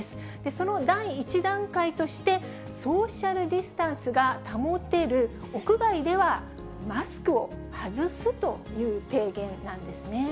その第１段階として、ソーシャルディスタンスが保てる屋外ではマスクを外すという提言なんですね。